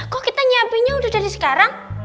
kok kita nyiapinnya udah dari sekarang